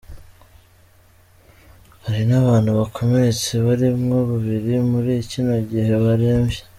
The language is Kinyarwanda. Hari n'abantu bakomeretse barimwo babiri muri kino gihe baremvye.